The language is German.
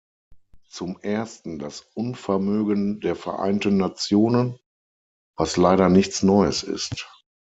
Zum ersten das Unvermögen der Vereinten Nationen, was leider nichts Neues ist.